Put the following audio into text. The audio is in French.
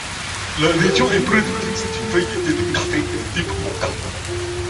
La région est productrice d'une variété de café de type Moka.